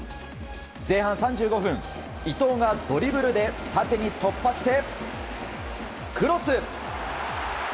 前半３５分伊東がドリブルで縦に突破してクロス！